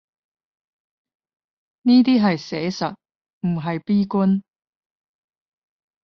呢啲係寫實，唔係悲觀